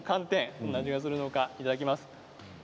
どんな味がするのかいただきます。